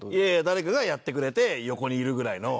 誰かがやってくれて横にいるぐらいの。